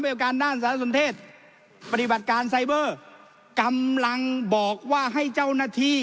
การด้านสารสนเทศปฏิบัติการไซเบอร์กำลังบอกว่าให้เจ้าหน้าที่